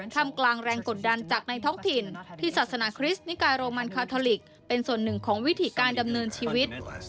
ทำกลางแรงกดดันจากในท้องถิ่นที่ศาสนาคริสต์นิกาโรมันคาทอลิกเป็นส่วนหนึ่งของวิธีการดำเนินชีวิต